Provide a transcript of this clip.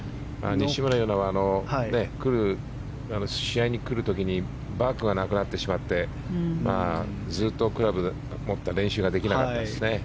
西村優菜は試合に来る時にバッグがなくなってしまってずっとクラブ持って練習ができなかったんですよね。